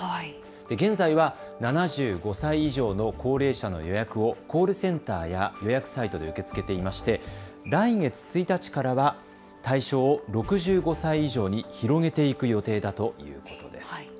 現在は７５歳以上の高齢者の予約をコールセンターや予約サイトで受け付けていまして来月１日からは対象を６５歳以上に広げていく予定だということです。